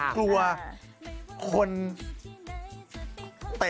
กลัวคนเต้น